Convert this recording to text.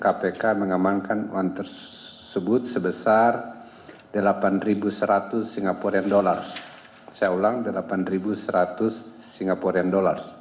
kepada tim kpk tim kpk mengamankan uang tersebut sebesar delapan seratus sgd